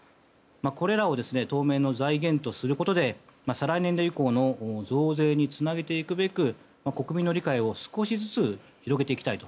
これらを当面の財源とすることで再来年度の増税につなげていくべく国民の理解を少しずつ広げていきたいと。